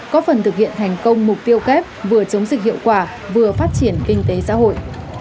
có phần thực hiện thành công mục tiêu kép vừa chống dịch hiệu quả vừa phát triển kinh tế xã hội